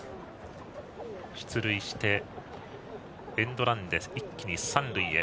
出塁してエンドランで一気に三塁へ。